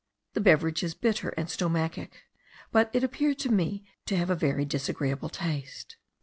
The beverage is bitter and stomachic, but it appeared to me to have a very disagreeable taste.